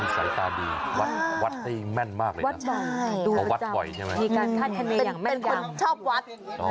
ใช่เพราะวัดไปใช่ไหมเป็นคนชอบวัด